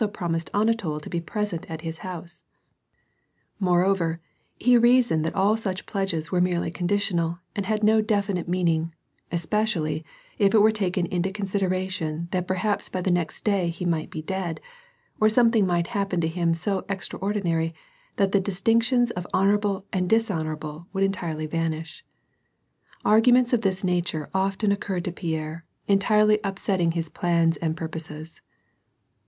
promised Anatol to be present at his house; moreover, he reasoned that all such pledges were merely conditional and had no definite meaning, especially, if it were taken into con sideration that perhaps by the next day he might be dead, or something might happen to him so extraordinary that the dis tinctions of honorable and dishonorable would entirely vanish. Arguments of this nature often occurred to Pierre, entirely upsetting his plans and purposes.